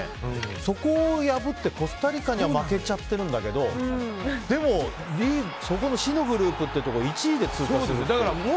そこを破って、コスタリカには負けちゃってるんだけどでもその死のグループを１位で通過しているっていう。